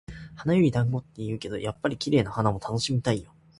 「花より団子」って言うけど、やっぱり綺麗な花も楽しみたいよ。